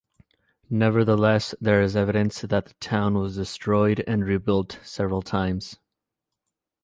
Nevertheless, there is evidence that the town was destroyed and rebuilt several times.